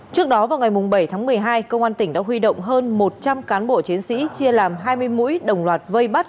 trước đó vào ngày bảy tháng một mươi hai công an tỉnh đã huy động hơn một trăm linh cán bộ chiến sĩ chia làm hai mươi mũi đồng loạt vây bắt